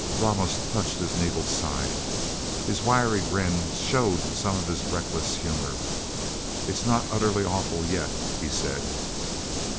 Ramos touched his needled side. His wry grin showed some of his reckless humor. "It's not utterly awful, yet," he said.